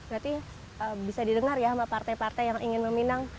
berarti bisa didengar ya sama partai partai yang ingin meminang